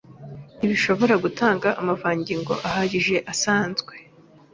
ntizishobora gutanga amavangingo ahagije asanzwe